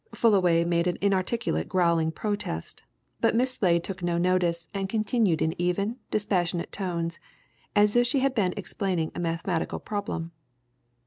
Fullaway made an inarticulate growling protest, but Miss Slade took no notice and continued in even, dispassionate tones, as if she had been explained a mathematical problem.